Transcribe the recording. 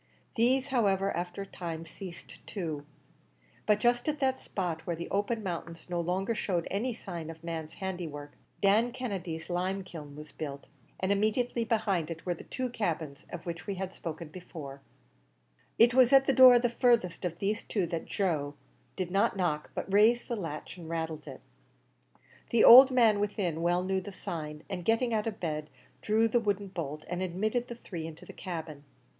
These, however, after a time, ceased too; but just at the spot where the open mountain no longer showed any signs of man's handiwork, Dan Kennedy's lime kiln was built, and immediately behind it were the two cabins of which we have before spoken. It was at the door of the furthest of these two that Joe did not knock but raised the latch and rattled it. The old man within well knew the sign, and, getting out of bed, drew the wooden bolt, and admitted the three into the cabin.